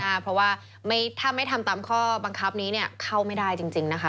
เพราะว่าถ้าไม่ทำตามข้อบังคับนี้เนี่ยเข้าไม่ได้จริงนะคะ